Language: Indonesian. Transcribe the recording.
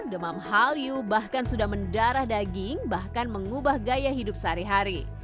the mom howl you bahkan sudah mendarah daging bahkan mengubah gaya hidup sehari hari